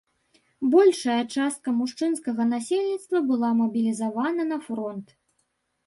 Большая частка мужчынскага насельніцтва была мабілізавана на фронт.